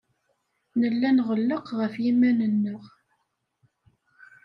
Nella nɣelleq ɣef yiman-nneɣ.